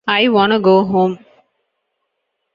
I wanna go home.